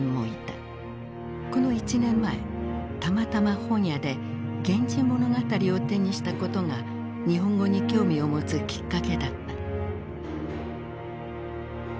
この１年前たまたま本屋で「源氏物語」を手にしたことが日本語に興味を持つきっかけだった。